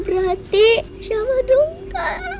berarti siapa dong kak